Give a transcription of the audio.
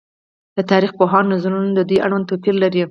د تاريخ پوهانو نظرونه د دوی اړوند توپير لري